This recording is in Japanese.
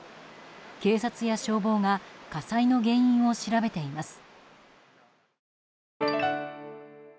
警察や消防が火災の原因を調べています。